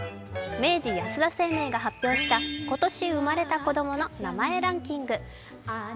明治安田生命が発表した今年生まれた子供の名前ランキング。